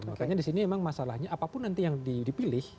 makanya di sini memang masalahnya apapun nanti yang dipilih